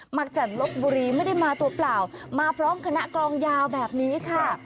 มาจากลบบุรีไม่ได้มาตัวเปล่ามาพร้อมคณะกลองยาวแบบนี้ค่ะ